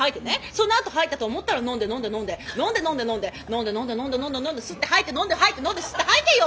そのあと吐いたと思ったら飲んで飲んで飲んで飲んで飲んで飲んで飲んで飲んで吸って吐いて飲んで吐いて飲んで吸って吐いてよ！